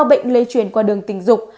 bệnh lây truyền qua đường tình dục